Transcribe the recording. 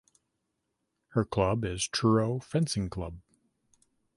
Her club is Truro Fencing Club.